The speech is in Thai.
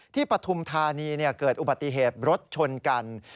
ปฐุมธานีเกิดอุบัติเหตุรถชนกัน